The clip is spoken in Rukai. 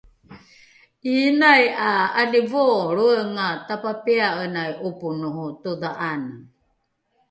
’iinai ’a ’alivoolroenga tapapia’enai ’oponoho todha’ane